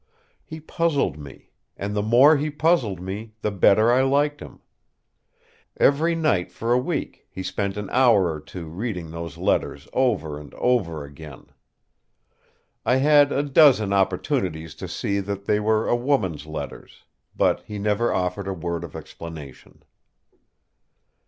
He puzzled me; and the more he puzzled me, the better I liked him. Every night for a week he spent an hour or two reading those letters over and over again. I had a dozen opportunities to see that they were a woman's letters: but he never offered a word of explanation.